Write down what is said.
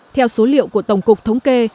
theo số liệu của tổng cục thống kê